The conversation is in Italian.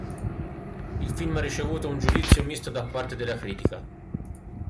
Il film ha ricevuto un giudizio misto da parte dalla critica.